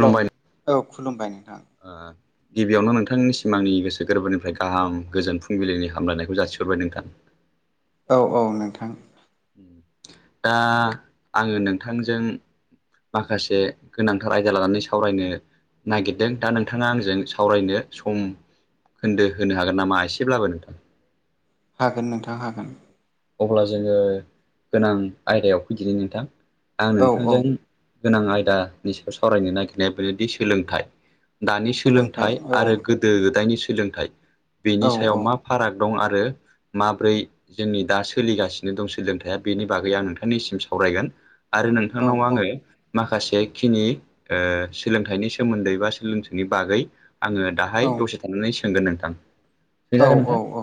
दं औ खुलुमबाय नोंथां। ओ गिबियावनो नोंथांनि सिमांनि गोसो गोरबोनिफ्राय गाहाम गोजोन फुंबिलिनि हामलायनायखौ जासिहरबाय नोंथां। औ औ नोंथां। दा आंङो नोंथांजों माखासे गोनांथार आयदा लानानै सावरायनो नागिरदों, दा नोंथांङा आंजों सावरायनो सम खोन्दो होनो हागोन नामा एसेब्लाबो नोंथां? हागोन नोंथां हागोन। अब्ला जोंङो गोनां आयदायाव फैदिनो नोंथां, आं औ औ नोंथांजों गोनां आयदानि सायाव सावरायनो नागिरनाया बेनोदि सोलोंथाइ दानि सोलोंथाइ आरो गोदो गोदायनि सोलोंथाइ बेनि औ सायाव औ मा फाराग दं आरो माब्रै जोंनि दा सोलिगासिनो दं सोलोंथाइया? बेनि बागै आं नोंथांनिसिम सावरायगोन आरो औ नोंथांनाव आङो माखासे जेखिनि ओ सोलोंथाइनि सोमोन्दै बा सोलोंथनि बागै आङो दाहाय औ दसे थानानै सोंगोन नोंथां। दे औ जागोन औ नोंथां, औ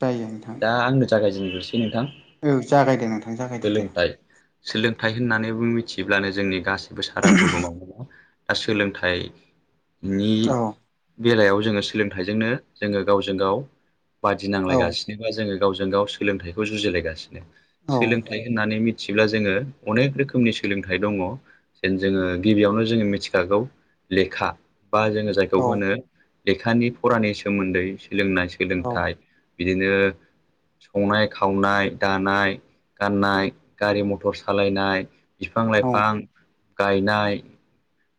जायो नोंथां दा आंनो जागायजेननोसै नोंथां। औ जागायदे नोंथां जागायदो दे सोलोंथाइ सोलोंथाइ होननानै मिथियोब्लानो जोंनि गासिबो सारा बुहुमाव दा सोलोंथाइ - नि औ बेलायाव जोङो सोलोंथाइजोंनो जोङो गावजों गाव बादि नांलायगासिनो बा जोङो जों गाव सोलोंथाइखौ जुजिलायगासिनो औ सोलोंथ होननानै मि थिब्ला जोङो अनेक रोखोमनि सोलोंथाइ दङ जेन जोङो गिबियावनो जोङो मिथिखागौ। लेखा बा जोङो जायखौ औ होनो लेखानि फरानि सोमोन्दै सोलोंनाय औ सोलोंथाइ बिदिनो संनाय-खावनाय, दानाय-गाननाय, गारि-मथर सालायनाय औ बिफां-लाइफां गायनाय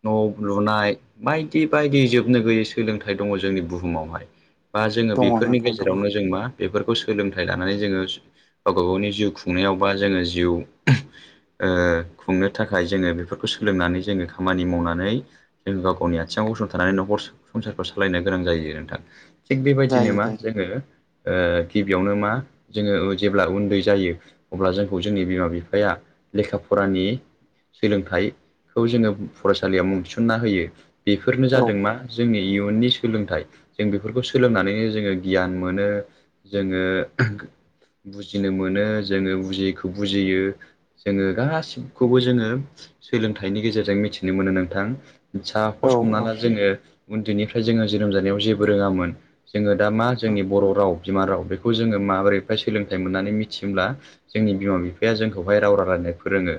न' लुनाय बायदि बायदि जोबनो गैयै सोलोंथाइ दङ जोंनि बुहुमावहाय। बा जोङो दङ बेफोरनि नोंथां दङ गेजेरावनो जों मा बेफोरखौ सोलोंथाइ लानानै जोङो गावबा गावनि जिउ खुंनायाव बा जोङो जिउ ओ खुंनो थाखाय जोङो बेफोरखौ सोलोंनानै जोङो खामानि मावनानै जों गाव गावनि आथिङाव गसंथानानै न'खर संसारखौ सालायनो गोनां जायो नोंथां। थिग बेबायदिनो जायो मा जायो जोङो ओ गिबियावनो मा जोङो जेब्ला उन्दै जायो अब्ला जोंखौ जोंनि बिमा बिफाया लेखा फरानि सोलोंथाइखौ जोङो फरायसालियाव मुं थिसनना होयो। बेफोरनो औ जादों मा जोंनि इयुननि सोलोंथाइ जों बेफोरखौ सोलोंनानैनो जोङो गियान मोनो जोङो बुजिनो मोनो, जोङो बुजियैखौ बुजियो, जोङो गासिबखौबो जोङो सोलोंथाइनि गेजेरजों मिथिनो मोनो नोंथां, औ साफस औ हमनाला जोङो उन्दैनिफ्राय जोङो जोनोम जानायाव जेबो रोङामोन जोङो दा मा औ जोंनि बर' राव बिमा राव बेखौ जोङो माबोरैहाय सोलोंथाइ मोननानै मिथियोब्ला जोंनि बिमा बिफाया जोंखौहाय राव रायला नो फोरोङो,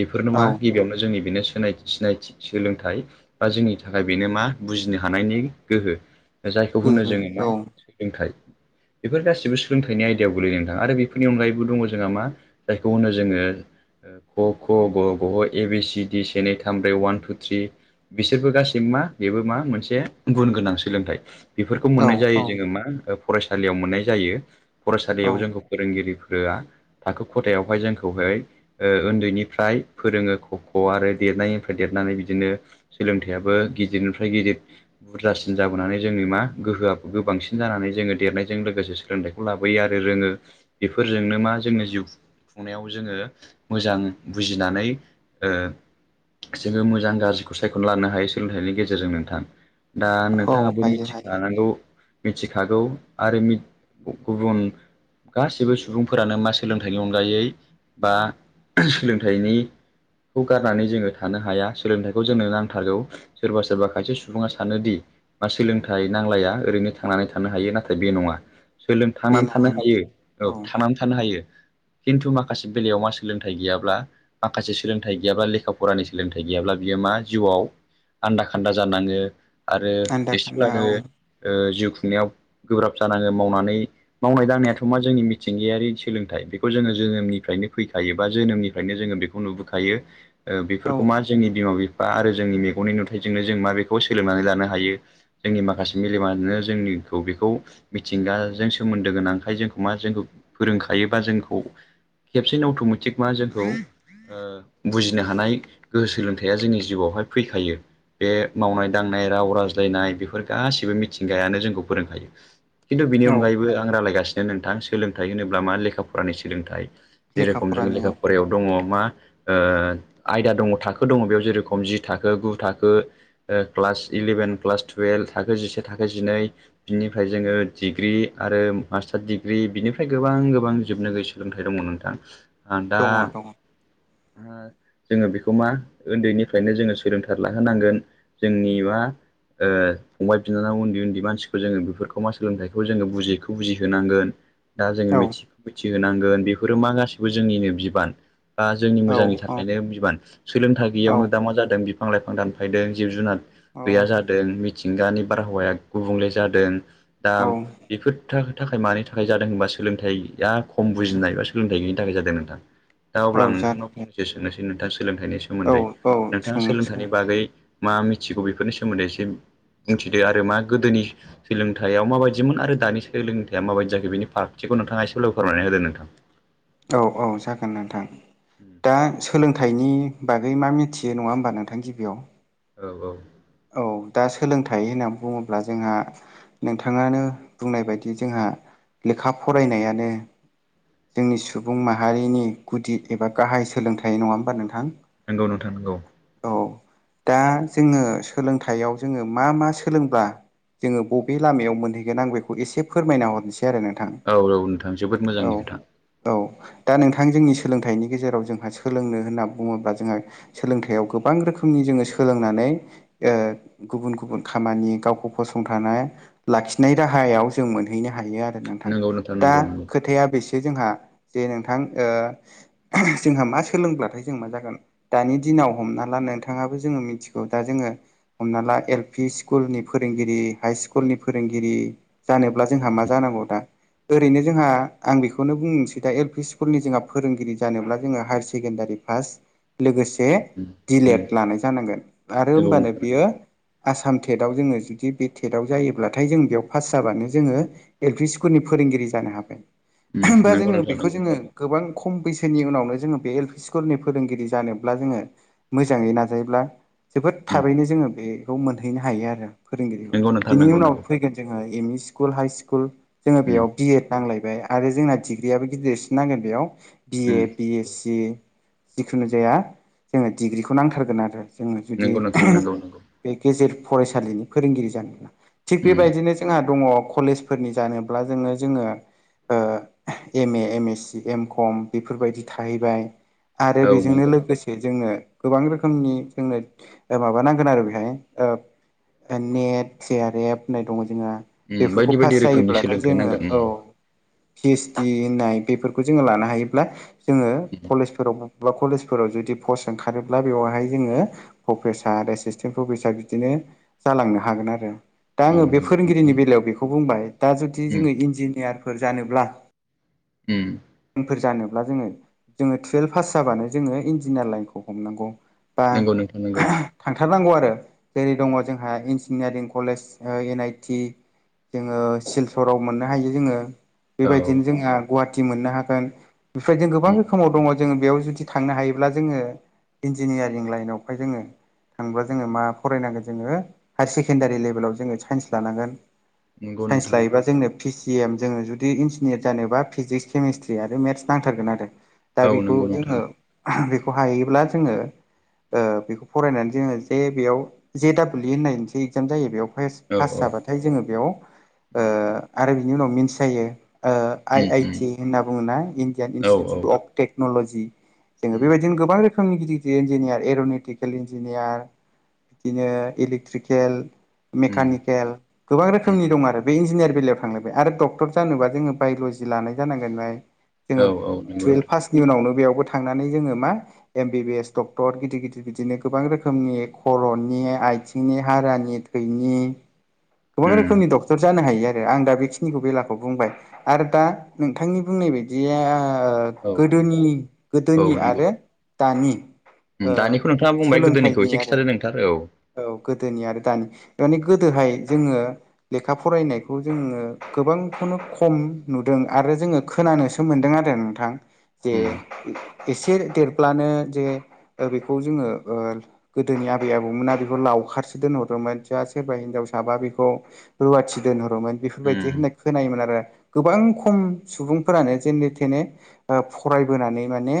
बेफोरनो औ मा गिबियावनो जोंनि बेनो सिनाय सिनायथि सोलोंथाइ बा जोंनि थाखाय बेनो मा बुजिनो हानायनि गोहो जायखौ होनो गोहो जोङो मा सोलोंथाइ बेफोर गासिबो सोलोंथाइनि आयदायाव गोलैयो नोंथां आरो बेफोरनि अनगायैबो दङ जोंहा मा जायखौ होनो जोङो क ख ग घ ए बि सि डि से नै था थाम ब्रै अवान टु थ्रि बिसोरबो गासिबबो मा बेबो मा मोनसे गुन गोनां सोलोंथाइ बेफोरखौ औ मोननाय जायो जोङो मा फरायसालियाव मोननाय जायो औ फरायसालियाव जोंखौ फोरोंगिरि ओआ थाखो खथायावहाय जोंखौहाय ओ उन्दैनिफ्राय फोरोङो अ खौ आरो देरनाय देरनानै बिदिनो सोलोंथाइयाबो गिदिरनिफ्राय गिदिर बुरजासिन जाबोनानै जोंनि मा गोहोआ बांसिन जानानै जोङो देरनायजों लोगोसे सोलोंथाइखौ लाबोयो आरो रोङो बेफोरजोंनो मा जोंनि जिउ खुंनायाव जोङो मोजां बुजिनानै ओ जोङो मोजां गाज्रिखौ सायखनानै लानो हायो सोलोंथाइनि गेजेरजों नोंथां। दा औ नोंथाङाबो हायो हायो मिथिखानांगौ मिथिखागौ आरो मि गुबुन गासैबो सुबुंफोरानो मा सोलोंथाइनि अनगायै बा सोलोंथाइनि खौ गारनानै जोङो थानो हाया सोलोंथाइखौ जोंनो नांथारगौ सोरबा सोरबा खायसे सुबुङा सानोदि मा सोलोंथाइ नांलाया ओरैनो थांनानै थानो हायो नाथाय बे नङा सोलों बे थांनानै नङा थानो नङा हायो औ थांनानै थानो हायो खिन्थु माखासे बेलायाव मा सोलोंथाइ गैयाब्ला माखासे सोलोंथाइ गैयाब्ला लेखा फरानि सोलोंथाइ गैयाब्ला बियो मा जिउआव आन्दा खान्दा जानाङो आरो आन्दा खान्दा औ [unintelligible] जिउ खुंनायाव गोब्राब जानाङो मावनानै मावनाय दांनायाथ मा जोंनि मिथिंगायारि सोलोंथाइ बेखौ जोङो जोनोमनिफ्रायनो फैखायो बा जोनोमनिफ्रायनो जोङो बेखौ नुबोखायो औ बेफोरखौ मा जोंनि बिमा बिफा फा आरो जोंनि मेगननि नुथाइजोंनो जों मा बेखौ सोलोंनानै लानो हायो जोंनि माखासे मेलेमानो जोंनि खौ बेखौ मिथिंगाजों सोमोन्दो गोनांखाय जोंखौ मा जोंखौ फोरोंखायोबा जोंखौ खेबसेनो अटमेटिक मा जोंखौ ओ बुजि नो हानाय गोहो सोलोंथाइया जोंनि जिउआवहाय फैखायो बे मावनाय दांनाय राव रायज्लायनाय बेफोर गासैबो मिथिंगायानो जोंखौ फोरोंखायो खिन्थु बिनि औ अनगायैबो आं रायलायगासिनो नोंथां सोलोंथाइ होनोब्ला मा लेखा फरानि सोलोंथाइ लेखा जेरोखम जों लेखा फरानियाव फरायाव दङ मा ओ आयदा दङ थाखो दङ बेयाव जेरोखम जि थाखो गु थाखो क्लास इलेभेन क्लास टुयेल्भ एल थाखो जिसे थाखो जिनै बिनिफ्राय जोङो डिग्रि आरो मास्टार डिग्रि बिनिफ्राय गोबां गोबां जोबनो गैयै सोलोंथाइ दङ नोंथां आं दा दङ दङ जोङो बेखौ मा उन्दैनिफ्रायनो जोङो सोलोंथार लाहोनांगोन जोंनि मा ओ फंबाय बिनानाव उन्दै उन्दै मानसिखौ जोङो बेफोरखौ मा सोलोंथाइखौ जोङो बुजियिखौ बुजि होनांगोन दा जोंङो औ मिथि मिथिहोनांगोन बेफोरो मा गासैबो जोंनिनो बिबान बा जोंनि मोजांनि थाखायनो सोलोंथाइ औ गैयियावनो दा मा जादों बिफां लाइफां दानफायदों जिब जुनार गैया जादों मिथिंगा नि बारहावाया गुबुंले जादों दा औ बेफोर थाखाय मानि थाखाय जादों होनबा सोलोंथाइ थाइया खम बुजिनाय बा सोलोंथाइ गैयनि थाखाय जादों नोंथां दा औ अब्ला आं जागोन नोंथांनाव दे फंसे सोंनोसै थाइनि औ सोमोन्दै औ नोंथाङा सों सों सोलोंथाइनि बागै मा मिथिगौ बेफोरनि सोमोन्दै एसे बुंथिदो आरो मा गोदोनि सोलोंथाइयाव माबायदिमोन आरो दानि सोलोंथाइया माबायदि जाखो बिनि फारागथि खौ नोंथाङा एसे ल फोरमायनानै होदो नोंथां औ औ जागोन नोंथां दा सोलोंथाइनि बागै मा मिथियो नङा होमबा नोंथां गिबियाव नोंथां औ औ औ दा सोलोंथाइ होननानै बुङोब्ला जोंहा नोंथाङानो बुंनाय बायदि जोंहा लेखा फरायनायानो जोंनि सुबुं माहारिनि गुदि एबा गाहाय सोलोंथाइ नङा होमबा नोंथां? नंगौ नोंथां नोंगौ। औ दा जोङो सोलोंथाइयाव जोङो मा मा सोलोंब्ला जोङो बबे लामायाव मोनहैगोन आं बेखौ एसे फोरमायना हरनोसै। नोंथां औ औ नोंथां जोबोद मोजांनि औ- खोथा औ दा नोंथ जोंनि सोलोंथाइनि गेजेराव जोंहा सोलोंनो होन्ना बुङोब्ला जोंहा सोलोंथाइयाव गोबां रोखोमनि जोङो सोलोंनानै ओ गुबुन गुबुन खामानि गावखौ फसंथाना लाखिनाय राहायाव जों मोनहैनो हायो आरो नोंथां नंगौ दा नंगौ नंगौ खोथाया बेसो जोंहा जे नोंथां ओ जोंहा मा सोलोंब्लाथाय जों मा जागोन दानि दिनाव हमना ला नोंथाङाबो जोङो मिथिगौ दा जोङो हमना ला एल पि स्कुलनि फोरोंगिरि हाइ स्कुलनि फोरोंगिरि जानोब्ला जोंहा मा जानो नांगौ दा ओरैनो जोंहा आं बेखौनो बुंसै दा एल पि स्कुलनि जोंहा फोरोंगिरि जानोब्ला जोङो हायार सेकेण्डारि लोगोसे दिलेट लानाय जानांगोन आरो नोंगौ होमबानो नोंथां नंगौ। बियो आसाम टेट आव जोङो जुदि बे टेटआव जायोब्लाथाय जों बेयाव पास जाबानो जोङो एल प स्कुल फोरनि फोरोंगिरि जानो हाबाय होमबा नंगौ जोङो नोंथां बेखौ नंगौ नंगौ नोंथां नंगौ जोङो गोबां खम बैसो जनि उनावनो जोङो बे एल पि स्कुलनि फोरोंगिरि जानोब्ला जोङो मोजाङै नाजायोब्ला जोबोद थाबैनो जोङो बेखौ मोनहैनो हायो आरो फोरोंगिरिखौ नंगौ नोंथां बिनि उनाव फैगोन जोङो M E school high school जोङो बेयाव बिएड नांलायबाय आरो जोंना डिग्रियाबो गिदिरसिन नांगोन बेयाव बिए बि एस सि जिखुनु जाया जोङो डिग्रिखौ नांथारगोन आरो जोङो जुदि नंगौ नंगौ बे गेजेर फरायसालिनि फोरोंगिरि जानो मोना थिग बेबायदिनो जोंहा दङ कलेजफोरनि जानोब्ला जोङो जोङो ओ M A, M S C, M com बेफोरबायदि थाहैबाय आरो औ बेजोंनो नंगौ लोगोसे जोंनो गोबां रोखोमनि जोंनो माबानांगोन आरो [inaudible] ओ नेट टि आर एफ होन्नाय दं उम बेफोरखौ बायदि बायदि रोखोमनि जायोब्लाथाय सोलोंथाइ जोङो नांगोन औ पि एइसडि होननाय बेफोरखौ जोङो लानो हायोब्ला जोङो कलेजफोराव बा कलेजफोराव जुदि पस्ट ओंखारोब्ला बेवहाय जोङो प्रफेसार आरो एसि फैसा बिदिनो जालांनो हागोन आरो दा आङो बे फोरोंगिरिनि उम बेलायाव बेखौ बुंबाय दा जुदि जोङो इन्जिनियारफोर जानोब्ला [inaudible] [unintelligible] फोर जानोब्ला जोङो जोङो टुवेल्भ पास जाबानो जोङो इन्जिनियार लाइनखौ हमनांगौ नंगौ नोंथां नंगौ। हाथारनांगौ आरो जेरै दङ जोंहा इन्जिनियारिं कलेज एन आइटि जोङो सिलचराव मोननो हायो जोङो बेबायदिनो जोंहा गुवाहाटि मोननो हागोन बेफ्राय जों गोबां उम रोखोमाव दङ जोङ बेयाव जुदि थांनो हायोब्ला जोङो इन्जिनियारिं लाइनावहाय जोङो थांब्ला जोङो मा फरायनांगोन जोङो हायार सेकेण्डारि लेभेलाव जोङो साइन्स लानांगोन। नंगौ साइन्स नोंथां लायोबा जोंनो पिसिएम जोङो जुदि इन्जिनियार जानोबा फिजिक्स केमेस्ट्रि आरो मेथ्स नांथार थारगोन आरो नंगौ उम औ उम दा नंगौ नोंथां औ बेखौ नंगौ नोंथां जोङो बेखौ हायोब्ला जोङो बेखौ फरायनानै जोङो जे बेयाव जे दडाब्लि इ होननायसो इगजाम जायो बेयाव औ पास औ जाबाथाय जोङो बेयाव ओ उम आरो बिनि उनाव मिस जायो आइ उम आइटि होनना बुङोना इण्डियान औ औ इन्स्टिटिउट अफ टेक्न'ल'जि जोङो उम बेबायदिनो गोबां रोखोमनि गिदिर गिदिर इन्जिनियार एर'निटिकेल इन्जिनियार बिदिनो इलेक्ट्रिकेल उम मेकानिकेल गोबां उम रोखोमनि दं आरो बे इन्जिनियार बेलायाव थांलायबाय आरो डक्टर जानोबा जोङो बायल'जि लानाय जानांगोन जोंङो औ औ नंगौ तुएल नोंथां पासनि उनावनो बेयावबो थांनानै जोङो मा एमबिबिएस डक्टर गिदिर गिदिर बिदिनो गोबां रोखोमनि खर'नि आथिंनि उम हारानि थैनि गोबां उम रोखोमनि डक्टर जानो हायो आरो आं दा बेखिनिखौ बेलाखौ बुंबाय आरो दा नोंथांनि बुं नै बदिया औ गोदोनि औ गोदोनि नंगौ आरो दानि ओ दानिखौ नोंथाङा बुंबाय गोदोनिखौ सोलोंथाइनि एसे आरो खिन्थादो नोंथार। औ औ गोदोनि आरो गोदोहाय जोङो लेखा फरायनायखौ जोङो गोबांखौनो खम नुदों आरो जोङो खोनानोसो मोनदों आरो नोंथां। जे उम एसे देरब्लानो जे बेखौ जोङो गोदोनि आबै आबौमोना बेखौ लावखारसो दोनहरोमोन जा सोरबा हिनजावसाबा बेखौ रुवाथि दोनहरोमोन। बेफोरबायदि उम होनाइ खोनायोमोन आरो गोबां खम सुबुंफोरानो जेने थे ने फरायोनानै माने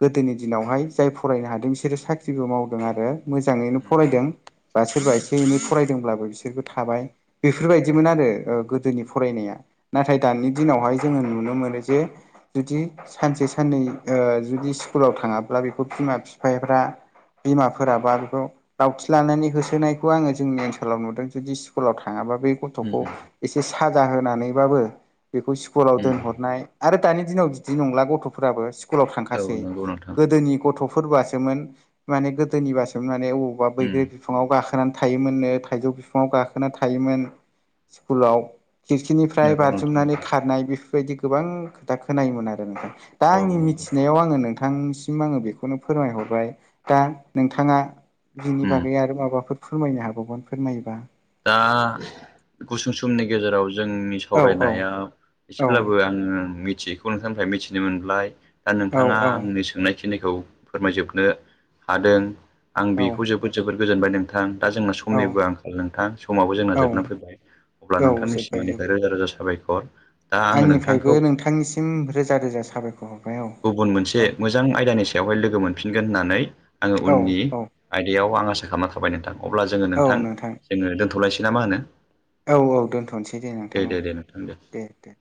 गोदोनि दिनावहाय जाय फरायनो हादों बिसोर स खुरिबो मावदों आरो मोजाङैनो उम फरायदों। बा सोरबा एसे एनै फरायदोंब्लाबो बिसोरबो थाबाय बेफोरबायदिमोन औ आरो गोदोनि औ फरायनाया नाथाय दानि दिनावहाय जोङो नुनो मोनो जे जुदि सानसे साननै जुदि स्कुलाव थाङाब्ला बेखौ बिमा बिफाफ्रा बिमाफोरा बा बेखौ दावउथि लानानै होसोनायखौ आङो जोंनि ओनसोलाव नुदों जुदि स्कुलाव थाङाबा बै गथ'खौ उम एसे साजा होनानैबाबो बेखौ स्कुलाव उम दोनहरनाय आरो दानि दिनाव बिदि नंला गथ'फोराबो स्कुलाव औ थांखासै नंगौ नोंथां गोदोनि गथ'फोरबासोमोन माने गोदोनिबासोमोन माने बबावबा उम बैग्रि बिफाङाव गाखो गाखोनानै थायोमोननो थाइजौ बिफाङाव गाखोनानै थायोमोन स्कुलाव खिरखिनिफ्राय नंगौ नोंथां बारजुमनानै नंगौ खारनाय बेफोरबायदि गोबां खोथा खोनायोमोन आरो नोंथां। दा औ आंनि नंगौ मिथिनायाव आङो नोंथांसिम आङो बेखौनो फोरमायहरबाय। दा नोंथाङा बिनि उम बागै आरो माबाफोर फोरमायनो हाबावगोन फोरमायोबा। दा गुसुं समनि गेजेराव जोंनि औ औ सावरायनायाव औ एसेब्लाबो आङो मिथियैखौ नोंथांनिफ्राय मिथिनो मोनबाय। दा औ नोंथाङा आंनि सोंनायखिनिखौ फोरमायजोबनो हादों। आं औ बेखौ जोबोद जोबोद गोजोनबाय नोंथां। दा जोंना औ समनिबो आं खाल समाबो जोंना औ जोबना फैबाय अब्ला नोंथांनि जोब्बाय सिमांनिफ्राय जोब्बाय रोजा रोजा साबायखर दा आङो आंनिफ्रायबो नोंथांखौ नोंथांनिसिम रोजा रोजा साबायखर हरबाय औ गुबुन मोनसे औ मोजां आयदानि सायाव लोगो मोनफिनगोन होनानै आं औ उननि औ आइदायाव आं खालामना थाबाय नोंथां। अब्ला जोङो नोंथां जोङो दोनथ'लायसै ना मा होनो? औ औ दोनथ'नोसै दे नोंथां औ दे दे।